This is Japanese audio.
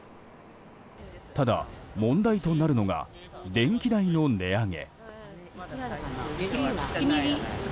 ただ問題となるのが電気代の値上げ。